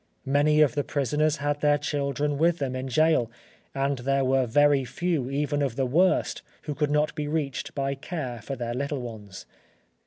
Many of the prisoners had their children with them in gaol, and there were very few even of the worst who could not be reached by care for their little ones.